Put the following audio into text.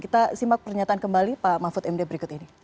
kita simak pernyataan kembali pak mahfud md berikut ini